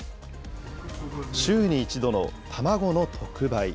週に一度の卵の特売。